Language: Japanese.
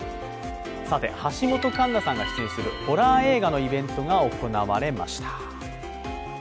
橋本環奈さんが出演するホラー映画のイベントが行われました。